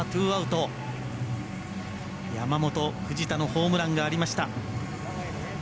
山本、藤田のホームランがありました。